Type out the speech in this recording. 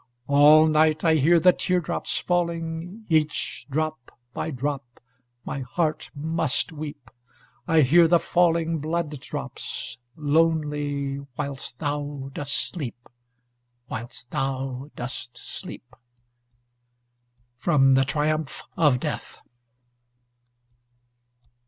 All night I hear the teardrops falling Each drop by drop my heart must weep; I hear the falling blood drops lonely, Whilst thou dost sleep whilst thou dost sleep. From 'The Triumph of Death.'